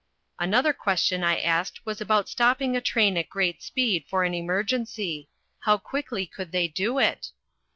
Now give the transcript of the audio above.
"] Another question I asked was about stopping a train at great speed for an emergency how quickly could they do it?